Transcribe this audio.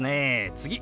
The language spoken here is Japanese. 次！